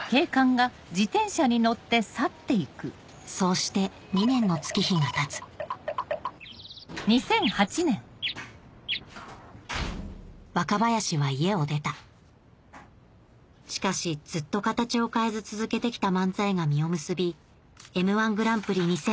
そうして２年の月日がたつ若林は家を出たしかしずっと形を変えず続けてきた漫才が実を結び『Ｍ−１グランプリ』２００８で準決勝まで進出